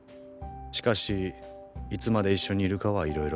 しかしいつまで一緒にいるかはいろいろだ。